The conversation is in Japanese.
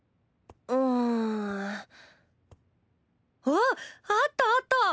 あっあったあった！